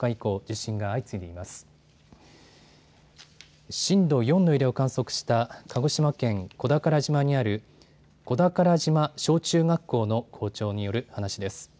震度４の揺れを観測した鹿児島県小宝島にある小宝島小中学校の校長による話です。